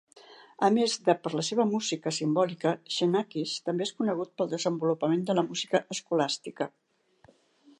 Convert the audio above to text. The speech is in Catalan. A més de per la seva música simbòlica, Xenakis també és conegut pel desenvolupament de la música escolàstica.